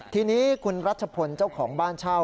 ทีนี้คุณรัชพลเจ้าของบ้านเช่า